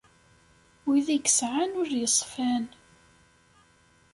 Wid i yesɛan ul yeṣfan.